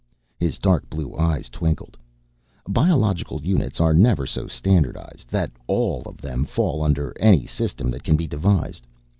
His dark blue eyes twinkled. "Biological units are never so standardized that all of them fall under any system that can be devised.